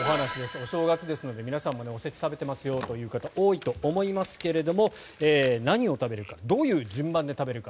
お正月ですので皆さんもお節食べてますよという方多いと思いますけれども何を食べるかどういう順番で食べるか。